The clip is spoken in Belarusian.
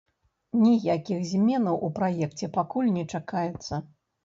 Ніякіх зменаў у праекце пакуль не чакаецца.